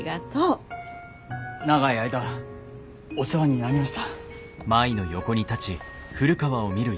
長い間お世話になりました。